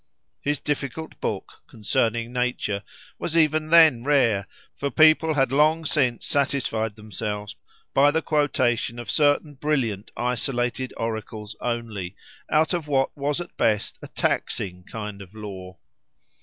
His difficult book "Concerning Nature" was even then rare, for people had long since satisfied themselves by the quotation of certain brilliant, isolated, oracles only, out of what was at best a taxing kind of lore.